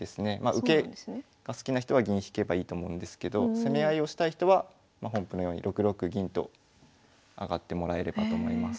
受けが好きな人は銀引けばいいと思うんですけど攻め合いをしたい人は本譜のように６六銀と上がってもらえればと思います。